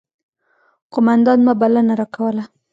قوماندان به بلنه راکوله.